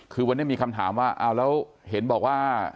คือวันนี้มีคำถามว่าเอาแล้วเห็นบอกว่า